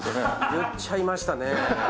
言っちゃいましたね。